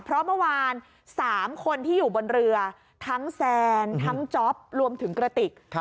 เพราะเมื่อวาน๓คนที่อยู่บนเรือทั้งแซนทั้งจ๊อปรวมถึงกระติก